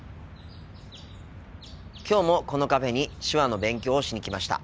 きょうもこのカフェに手話の勉強をしに来ました。